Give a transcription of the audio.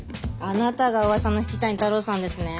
あなたが噂の引谷太郎さんですね？